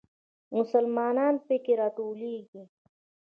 مسلمانان په کې راټولېږي.